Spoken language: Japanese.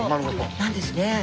なんですね。